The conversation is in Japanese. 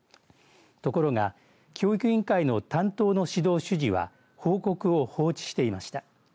ところが教育委員会の担当の指導主事は報告を放置していました。